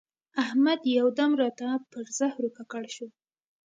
احمد یو دم راته پر زهرو ککړ شو.